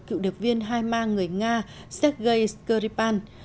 cựu đợt viên hai ma người nga sergei skripal